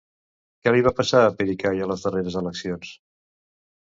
Què li va passar a Pericay a les darreres eleccions?